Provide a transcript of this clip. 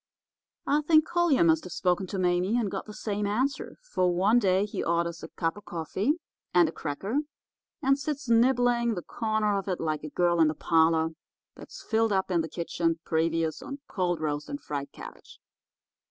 "I think Collier must have spoken to Mame and got the same answer, for one day he orders a cup of coffee and a cracker, and sits nibbling the corner of it like a girl in the parlour, that's filled up in the kitchen, previous, on cold roast and fried cabbage.